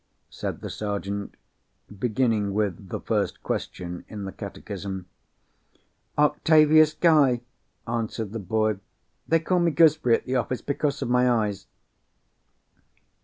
said the Sergeant, beginning with the first question in the catechism. "Octavius Guy," answered the boy. "They call me Gooseberry at the office because of my eyes."